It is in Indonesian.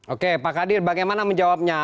oke pak kadir bagaimana menjawabnya